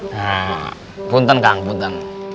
nah bunteng kang bunteng